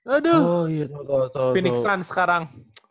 aduh phoenix sun sekarang